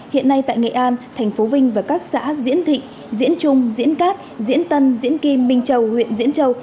hiện nay tại nghệ an tp vinh và các xã diễn thị diễn trung diễn cát diễn tân diễn kim minh châu huyện diễn châu